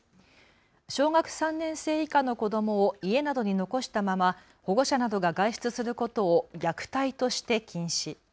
小学３年生以下の子どもを家などに残したまま保護者などが外出することを虐待として禁止。